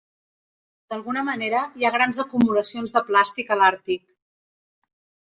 D'alguna manera hi ha grans acumulacions de plàstic a l'Àrtic.